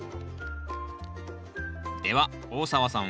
では大沢さん